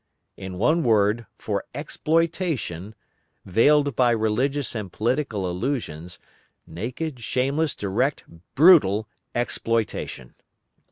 In one word, for exploitation, veiled by religious and political illusions, naked, shameless, direct, brutal exploitation.